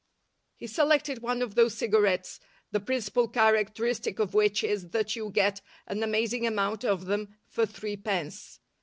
He selected one of those cigarettes the principal characteristic of which is that you get an amazing amount of them for threepence.